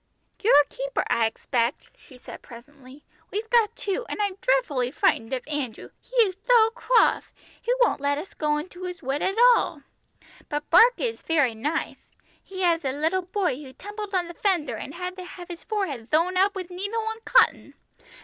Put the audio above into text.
"You're a keeper, I expect," she said presently. "We've got two, and I'm dreadfully frightened of Andrew, he is tho croth, he won't let us go into his wood at all. But Barker is very nithe. He has a little boy who tumbled on the fender and had to have his forehead thewn up with needle and cotton!